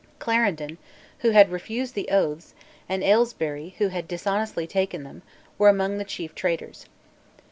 Clarendon, who had refused the oaths, and, Aylesbury, who had dishonestly taken them, were among the chief traitors.